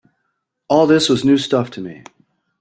All this was new stuff to me.